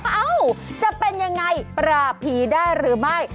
เอ้าจะเป็นยังไงปราบผีได้หรือไม่